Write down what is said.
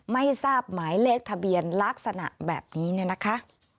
ไม่ทราบหมายเลขทะเบียนลักษณะแบบนี้เนี่ยนะคะ